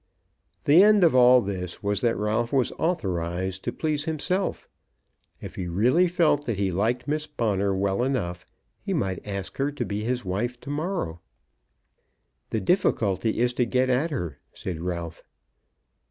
The end of all this was that Ralph was authorised to please himself. If he really felt that he liked Miss Bonner well enough, he might ask her to be his wife to morrow. "The difficulty is to get at her," said Ralph.